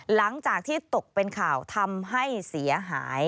หลังจากที่ตกเป็นข่าวทำให้เสียหาย